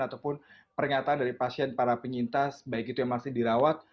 ataupun pernyataan dari pasien para penyintas baik itu yang masih dirawat